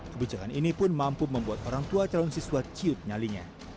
kebijakan ini pun mampu membuat orang tua calon siswa ciut nyalinya